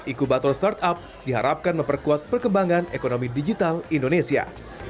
iku battle startup diharapkan memperkuat perkembangan ekonomi digital indonesia